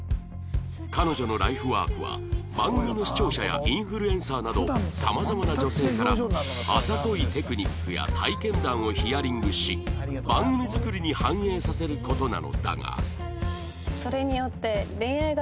彼女のライフワークは番組の視聴者やインフルエンサーなど様々な女性からあざといテクニックや体験談をヒアリングし番組作りに反映させる事なのだが